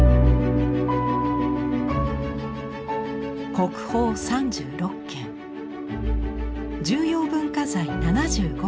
国宝３６件重要文化財７５件。